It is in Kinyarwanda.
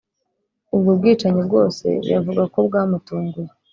ubwo bwicanyi bwo se yavuga ko bwamutunguye